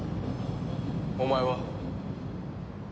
お前は？